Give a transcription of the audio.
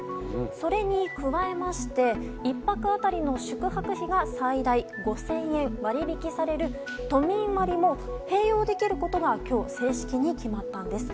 それに加えまして１泊当たりの宿泊費が最大５０００円割り引きされる都民割も併用できることが今日、正式に決まったんです。